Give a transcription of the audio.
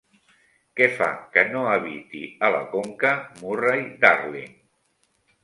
Què fa que no habiti a la conca Murray-Darling?